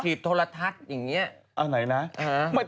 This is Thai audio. ถีดทรทัศน์อย่างเงี้ย